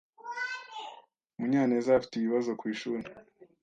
Munyanezafite ibibazo kwishuri.